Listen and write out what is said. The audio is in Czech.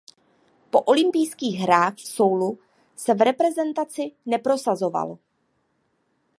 Po olympijských hrách v Soulu se v reprezentaci neprosazoval.